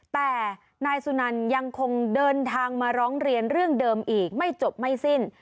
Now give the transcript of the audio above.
แต่นายสุนันยังคงเดินทางมาร้องเรียนเรื่องเดิมอีกไม่จบไม่สิ้น